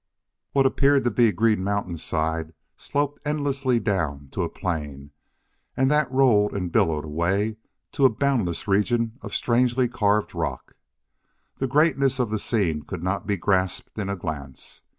What appeared to be a green mountainside sloped endlessly down to a plain, and that rolled and billowed away to a boundless region of strangely carved rock. The greatness of the scene could not be grasped in a glance.